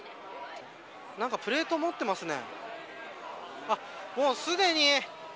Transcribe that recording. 何かプレートを持ってますね。